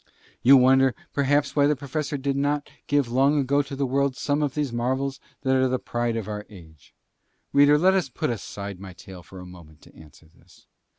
You wonder perhaps why the Professor did not give long ago to the world some of these marvels that are the pride of our age. Reader, let us put aside my tale for a moment to answer this.